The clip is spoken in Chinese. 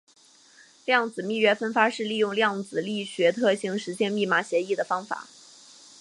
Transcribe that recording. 量子密钥分发是利用量子力学特性实现密码协议的方法。